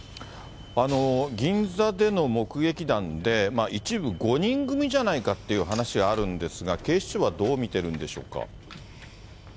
銀座での目撃談で、一部、５人組じゃないかっていう話あるんですが、警視庁はどう見てるんでしょうか？